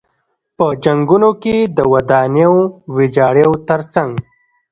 په جنګونو کې د ودانیو ویجاړیو تر څنګ.